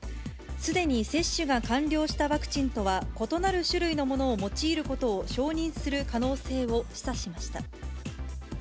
すでに接種が完了したワクチンとは異なる種類のものを用いることを承認する可能性を示唆しました。